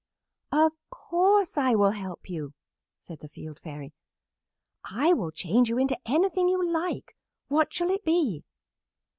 "'Of course I will help you," said the Field Fairy. "I will change you into anything you like. What shall it be?"